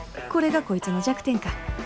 これがこいつの弱点か。